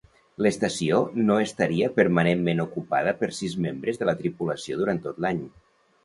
L'estació no estaria permanentment ocupada per sis membres de la tripulació durant tot l'any.